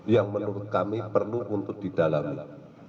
yang menurut kami perlu untuk didalami